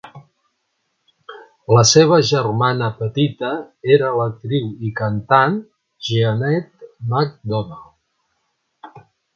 La seva germana petita era l'actriu i cantant Jeanette MacDonald.